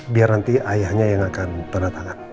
biar nanti ayahnya yang akan tanda tangan